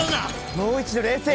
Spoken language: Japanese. もう一度冷静に。